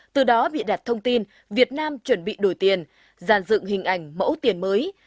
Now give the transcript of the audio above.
từ đó bị đặt thông tin việt nam chuẩn bị đổi tiền dàn dựng hình ảnh mẫu tiền mới